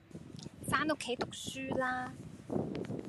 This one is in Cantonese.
返屋企讀書啦